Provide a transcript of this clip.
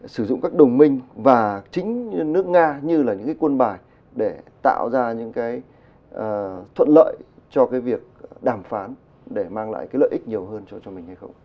sử dụng các đồng minh và chính nước nga như là những cái quân bài để tạo ra những cái thuận lợi cho cái việc đàm phán để mang lại cái lợi ích nhiều hơn cho mình hay không